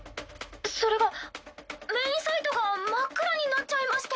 それがメインサイトが真っ暗になっちゃいまして。